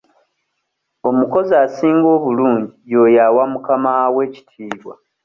Omukozi asinga obulungi y'oyo awa mukaamawe ekitiibwa.